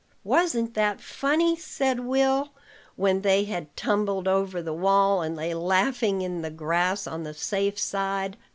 "Wasn't that funny?" said Will, when they had tumbled over the wall, and lay laughing in the grass on the safe side.